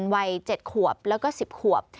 วัย๗ขวบแล้วก็๑๐ขวบ